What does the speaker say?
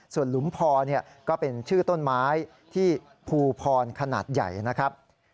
ส่วนหลุมพรก็เป็นชื่อต้นไม้ที่ภูพรขนาดใหญ่นะครับ